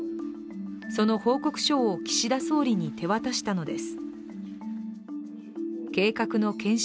その報告書を岸田総理に手渡したのです。